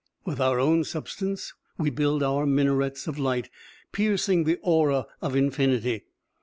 With our own substance, we build our minarets of light, piercing the aura of infinity.